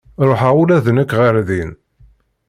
Ruḥeɣ ula d nekk ɣer din.